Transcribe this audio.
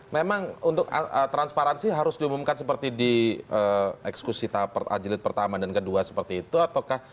memang untuk transparansi harus diumumkan seperti di eksekusi jelit pertama dan kedua seperti itu ataukah